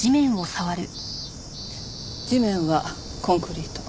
地面はコンクリート。